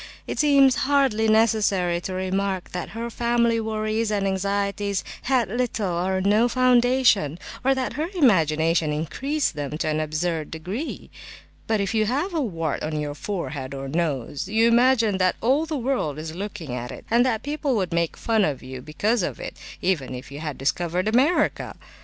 It seems hardly necessary to remark that her family worries and anxieties had little or no foundation, or that her imagination increased them to an absurd degree; but if you have a wart on your forehead or nose, you imagine that all the world is looking at it, and that people would make fun of you because of it, even if you had discovered America!